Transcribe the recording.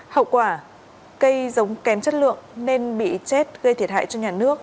hậu quả cây giống kém chất lượng nên bị chết gây thiệt hại cho nhà nước